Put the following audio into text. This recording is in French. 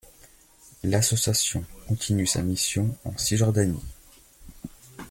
L'association continue sa mission en Cisjordanie.